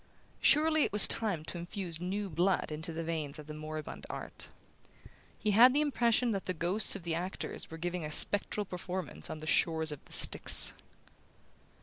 Surely it was time to infuse new blood into the veins of the moribund art. He had the impression that the ghosts of actors were giving a spectral performance on the shores of Styx.